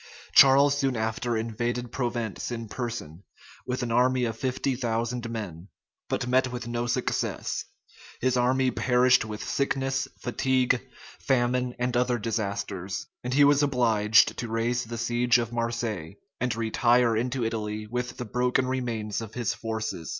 Charles soon after invaded Provence in person, with an army of fifty thousand men; but met with no success. His army perished with sickness, fatigue, famine, and other disasters; and he was obliged to raise the siege of Marseilles, and retire into Italy with the broken remains of his forces.